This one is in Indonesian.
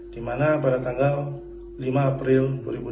di mana pada tanggal lima april dua ribu dua puluh